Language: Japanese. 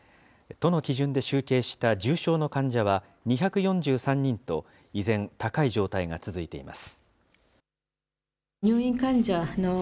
都の基準で集計した重症の患者は２４３人と、依然、高い状態が続いています。